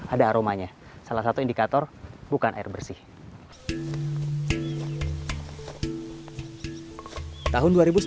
ada aromanya salah satu indikator bukan air bersih